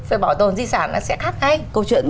về bảo tồn di sản nó sẽ khác cái câu chuyện